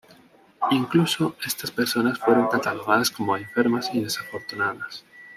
Incluso, estas personas fueron catalogadas como enfermas y desafortunadas.